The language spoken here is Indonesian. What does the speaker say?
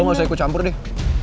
lo gak usah ikut campur deh